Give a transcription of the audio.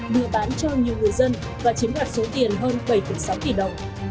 lừa bán cho nhiều người dân và chiếm đoạt số tiền hơn bảy sáu tỷ đồng